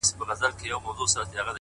ټولنه چوپتيا ته ترجېح ورکوي تل,